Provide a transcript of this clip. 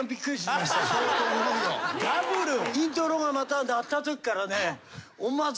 イントロがまた鳴ったときからね。